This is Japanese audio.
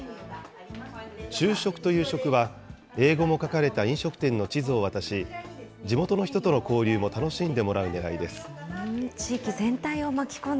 昼食と夕食は、英語も書かれた飲食店の地図を渡し、地元の人との交流も楽しんでもらうねらいです。